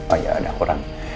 oh ya ada orang